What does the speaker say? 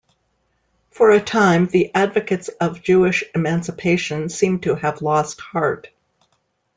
For a time the advocates of Jewish emancipation seemed to have lost heart.